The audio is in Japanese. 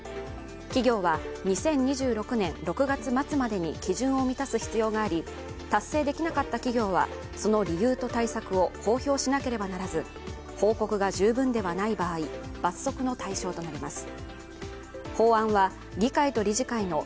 企業は２０２６年６月末までに基準を満たす必要があり、達成できなかった企業はその理由と対策を公表しなければならず、報告が十分ではない場合、罰則の対象となります。